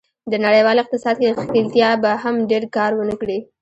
د نړیوال اقتصاد کې ښکېلتیا به هم ډېر کار و نه کړي.